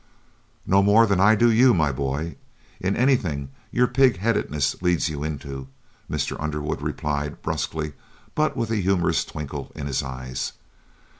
"No more than I do you, my boy, in anything your pig headedness leads you into," Mr. Underwood replied, brusquely, but with a humorous twinkle in his eyes.